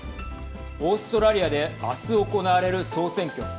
オーストラリアであす行われる総選挙。